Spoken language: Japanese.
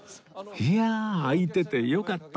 いや開いててよかった。